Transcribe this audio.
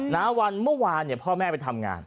นาวันเมื่อวานเนี่ยพ่อแม่ไปทำงาน